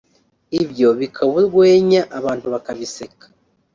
ibyo bikaba urwenya abantu bakabiseka